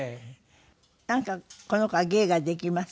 なんかこの子は芸ができます？